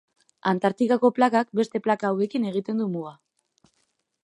Antartikako plakak beste plaka hauekin egiten du muga.